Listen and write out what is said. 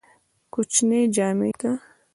کوچنی جامی شته؟